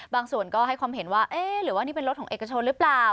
ส่วนก็ให้ความเห็นว่าเอ๊ะหรือว่านี่เป็นรถของเอกชนหรือเปล่า